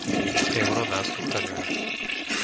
Euro nás ochraňuje.